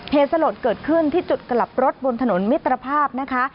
เหตุสลดเกิดขึ้นที่จุดกลับรถบนถนนมิตรภาพนะคะ